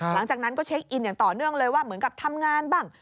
หลังจากนั้นก็เช็คอินอย่างต่อเนื่องเลยว่าเหมือนกับทำงานบ้าง